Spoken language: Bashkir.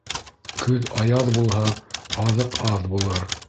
Көҙ аяҙ булһа, аҙыҡ аҙ булыр.